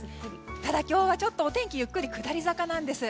ただ、今日はちょっとお天気はゆっくり下り坂なんです。